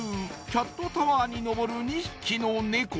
キャットタワーに登る２匹のネコ